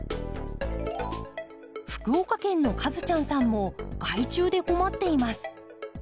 福岡県のカズちゃんさんも害虫で困っています。